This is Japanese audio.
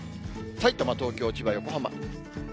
さいたま、東京、千葉、横浜。